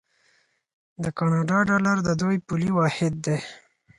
د کاناډا ډالر د دوی پولي واحد دی.